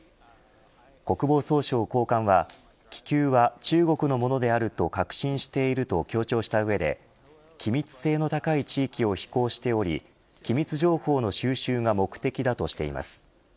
国防総省高官は気球は、中国のものであると確信していると強調した上で機密性の高い地域を飛行しており機密情報の収集が目的だとしています。